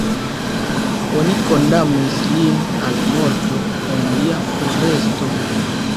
Oni kondamnis lin al morto en lia foresto.